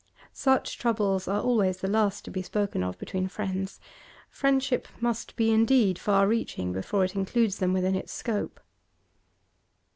Such troubles are always the last to be spoken of between friends; friendship must be indeed far reaching before it includes them within its scope.